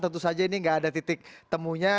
tentu saja ini nggak ada titik temunya